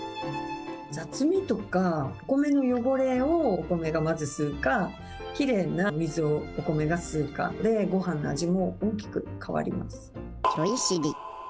雑味とかお米の汚れをお米がまず吸うか、きれいな水をお米が吸うかで、ごはんの味も大きく変わります。